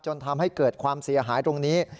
จนทำให้เกิดความเสียหายตรงนี้